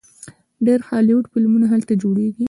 ډیر هالیوډ فلمونه هلته جوړیږي.